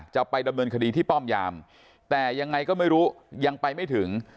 จะไปดำเนินคดีที่ป้อมยามแต่ยังไงก็ไม่รู้ยังไปไม่ถึง